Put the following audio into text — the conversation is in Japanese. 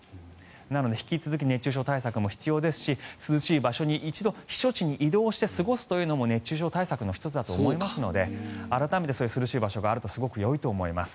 なので引き続き熱中症対策も必要ですし涼しい場所に一度、避暑地に移動して過ごすのも熱中症対策の１つだと思いますので改めてそういう涼しい場所があるとすごくよいと思います。